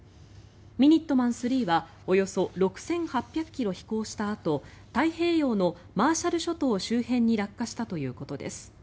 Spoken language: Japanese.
ミニットマン３はおよそ６８００ｋｍ飛行したあと太平洋のマーシャル諸島周辺に落下したということです。